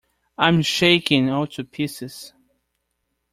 I'm shaken all to pieces!